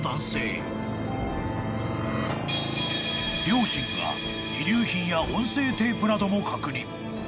［両親が遺留品や音声テープなども確認］